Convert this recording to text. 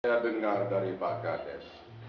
saya dengar dari pak kades